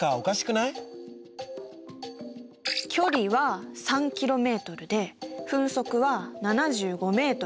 距離は３ｋｍで分速は７５ｍ。